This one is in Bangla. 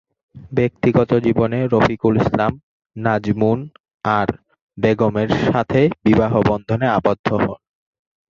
ব্যক্তিগত জীবনে রফিকুল ইসলাম, নাজমুন আরা বেগমের সাথে বিবাহ বন্ধনে আবদ্ধ হন।